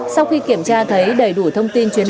sau khi kiểm tra thấy đầy đủ thông tin chuyến bay